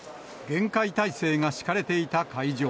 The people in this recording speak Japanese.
厳戒態勢が敷かれていた会場。